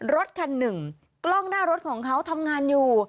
รถคันหนึ่งกล้องหน้ารถของเขาทำงานอยู่